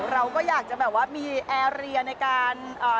เราก็อยากจะแบบว่ามีเกลียร์ในการ